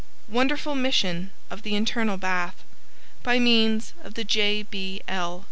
] WONDERFUL MISSION of THE INTERNAL BATH By means of THE "J. B. L.